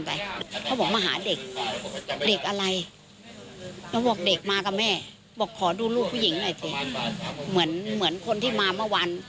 แล้วก็บอกเด็กมาก็แม่บอกขอดูลูกผู้หญิงหน่อยเหมือนคนที่มาเมื่อวัน